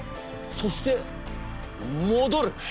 そして戻る！